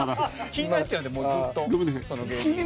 気になっちゃうんでもうずっとその芸人が。